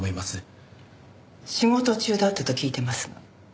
仕事中だったと聞いてますが。